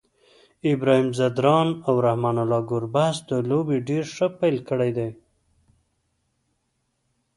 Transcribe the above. ابراهیم ځدراڼ او رحمان الله ګربز د لوبي ډير ښه پیل کړی دی